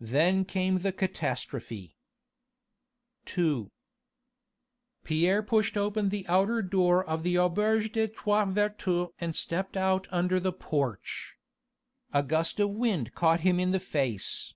Then came the catastrophe. II Pierre pushed open the outer door of the auberge des Trois Vertus and stepped out under the porch. A gust of wind caught him in the face.